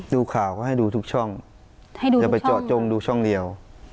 ดูข่าวก็ให้ดูทุกช่องอย่าไปเจาะจงดูช่องเดียว